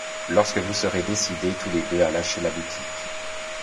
Lorsque vous serez décidés tous les deux à lâcher la boutique.